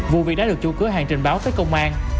vụ việc đã được chủ cửa hàng trình báo tới công an